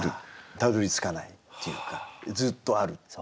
たどりつかないっていうかずっとあるっていう。